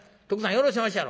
よろしおまっしゃろ？